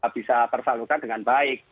bisa tersalurkan dengan baik